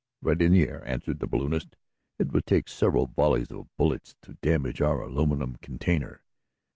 "Right in the air," answered the balloonist. "It would take several volleys of bullets to damage our aluminum container.